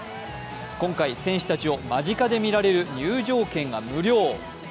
今回選手たちを間近で見られる入場券が無料。